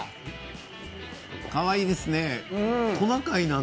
かわいいですね。